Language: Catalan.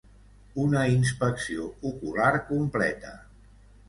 Una inspecció ocular completa.